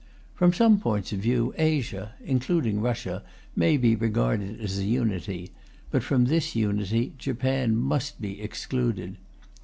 From some points of view, Asia, including Russia, may be regarded as a unity; but from this unity Japan must be excluded.